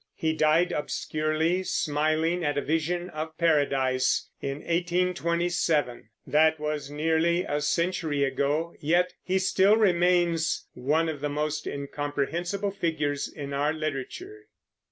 He died obscurely, smiling at a vision of Paradise, in 1827. That was nearly a century ago, yet he still remains one of the most incomprehensible figures in our literature.